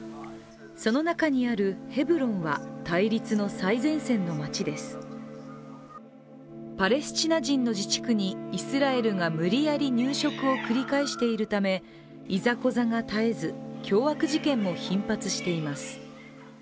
その中にあるヘブロンは対立の最前線の町ですパレスチナ人の自治区に、イスラエル人が無理やり入植を繰り返しているためいざこざが絶えず、凶悪事件も頻発しています。